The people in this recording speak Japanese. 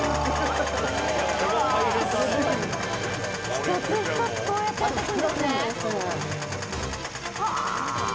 １つ１つこうやって、やっていくんですね。